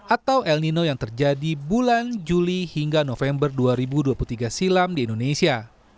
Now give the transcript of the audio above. atau el nino yang terjadi bulan juli hingga november dua ribu dua puluh tiga silam di indonesia